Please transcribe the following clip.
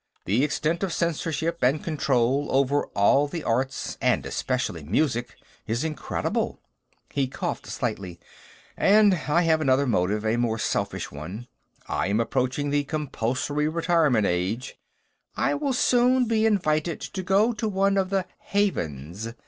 The extent of censorship and control over all the arts, and especially music, is incredible." He coughed slightly. "And I have another motive, a more selfish one. I am approaching the compulsory retirement age; I will soon be invited to go to one of the Havens.